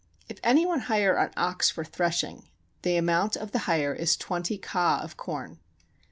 If any one hire an ox for threshing, the amount of the hire is twenty ka of corn.